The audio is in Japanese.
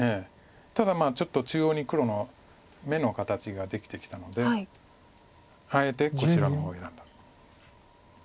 ただちょっと中央に黒の眼の形ができてきたのであえてこちらの方選んだ。